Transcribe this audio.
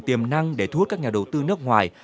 tiềm năng để thu hút các nhà đầu tư nước ngoài